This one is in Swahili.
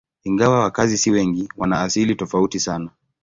Ingawa wakazi si wengi, wana asili tofauti sana.